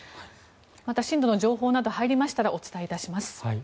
また震度の情報が入りましたらお伝えいたします。